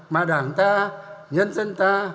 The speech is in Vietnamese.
mà đảng ta nhân dân ta